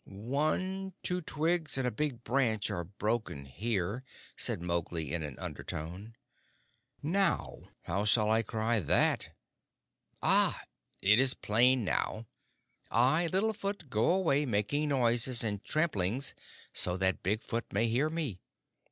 "One, two twigs and a big branch are broken here," said Mowgli, in an undertone. "Now, how shall I cry that? Ah! It is plain now. I, Little Foot, go away making noises and tramplings so that Big Foot may hear me."